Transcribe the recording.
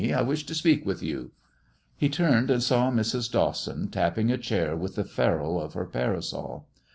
I wish to speak with you." He turned and saw Mrs. Dawson tapping a chair with the ferrule of her parasol.